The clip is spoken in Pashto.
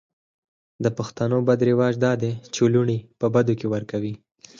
د پښتو بد رواج دا ده چې لوڼې په بدو کې ور کوي.